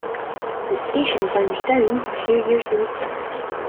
The station burned down a few years later.